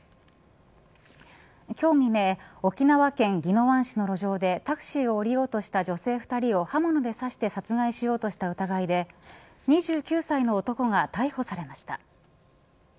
今日未明沖縄県宜野湾市の路上でタクシーを降りようとした女性２人を刃物で刺して殺害しようとした疑いで２９歳の男が逮捕されました。